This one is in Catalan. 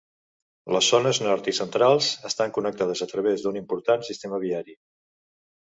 Les zones nord i centrals estan connectades a través d'un important sistema viari.